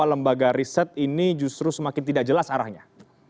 lembaga riset ini justru semakin tidak jelas arahnya